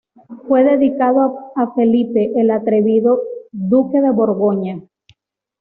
Fue dedicado a Felipe el Atrevido, duque de Borgoña.